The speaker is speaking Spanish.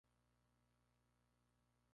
Se encuentra por debajo de Ford Expedition.